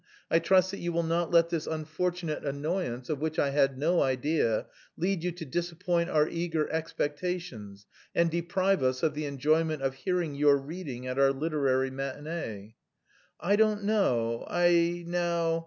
"I trust that you will not let this unfortunate annoyance, of which I had no idea, lead you to disappoint our eager expectations and deprive us of the enjoyment of hearing your reading at our literary matinée." "I don't know, I... now..."